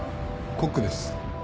コックです。